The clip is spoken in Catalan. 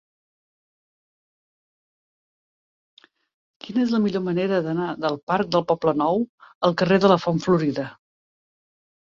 Quina és la millor manera d'anar del parc del Poblenou al carrer de la Font Florida?